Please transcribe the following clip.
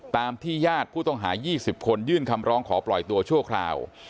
ตามที่ญาติผู้ต้องหา๒๐คนยื่นคำร้องขอปล่อยตัวชั่วคราว